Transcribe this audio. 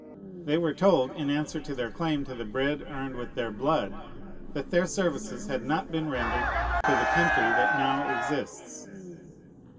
They were told, in answer to their claim to the bread earned with their blood, that their services had not been rendered to the country that now exists.